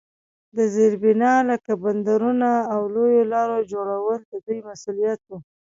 د زیربنا لکه بندرونو او لویو لارو جوړول د دوی مسوولیت وو.